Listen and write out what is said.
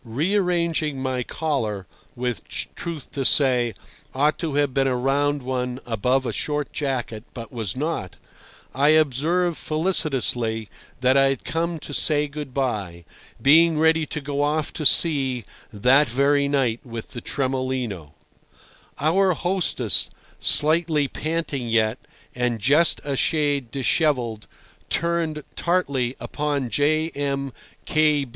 Rearranging my collar, which, truth to say, ought to have been a round one above a short jacket, but was not, I observed felicitously that I had come to say good bye, being ready to go off to sea that very night with the Tremolino. Our hostess, slightly panting yet, and just a shade dishevelled, turned tartly upon J. M.